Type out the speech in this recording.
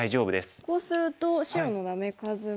こうすると白のダメ数は。